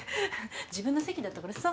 自分の席だったからさ。